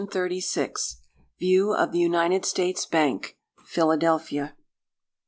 VIEW OF THE UNITED STATES BANK, PHILADELPHIA.